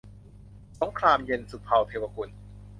สงครามเย็น - สุภาว์ เทวกุล